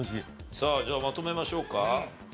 さあじゃあまとめましょうか。